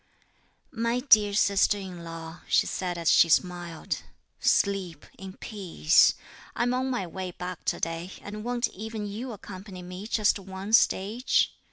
"My dear sister in law," she said as she smiled, "sleep in peace; I'm on my way back to day, and won't even you accompany me just one stage?